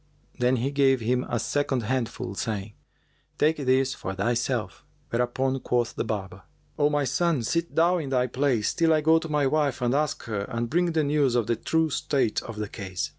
Then he gave him a second handful, saying, "Take this for thyself." Whereupon quoth the barber, "O my son, sit thou in thy place, till I go to my wife and ask her and bring the news of the true state of the case."